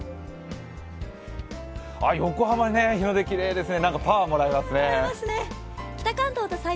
横浜、日の出きれいですね。